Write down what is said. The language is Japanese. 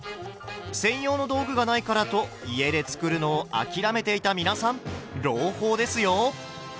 専用の道具がないからと家で作るのを諦めていた皆さん朗報ですよ！